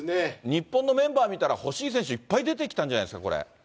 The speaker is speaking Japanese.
日本のメンバー見たら、欲しい選手、いっぱい出てきたんじゃないですか、これ。